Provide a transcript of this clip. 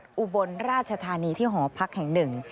ที่เป็นอุบนราชธานีที่หอพักแห่งหนึ่ง